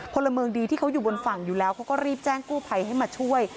พลเมืองดีที่เขาอยู่บนฝั่งอยู่แล้วเขาก็รีบแจ้งกู้ภัยให้มาช่วย